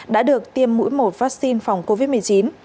đã được tiêm mũi một vaccine phòng covid một mươi chín